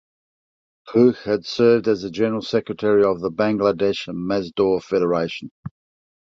Huq had served as the General Secretary of Bangladesh Mazdoor Federation.